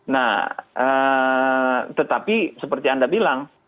nah tetapi seperti anda bilang